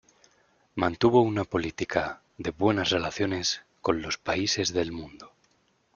Mantuvo una política de buenas relaciones con los países del mundo.